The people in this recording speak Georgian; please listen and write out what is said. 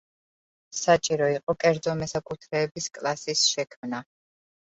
საჭირო იყო კერძო მესაკუთრეების კლასის შექმნა.